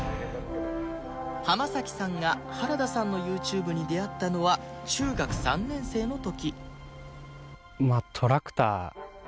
濱さんが原田さんの ＹｏｕＴｕｂｅ に出会ったのは中学３年生の時